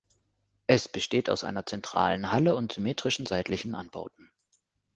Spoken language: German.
Es besteht aus einer zentralen Halle und symmetrischen seitlichen Anbauten.